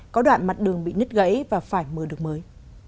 có đoạn mặt đường bị nứt gãy và phải mưa được mới